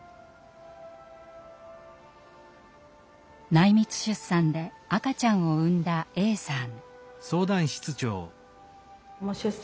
内密出産で赤ちゃんを産んだＡさん。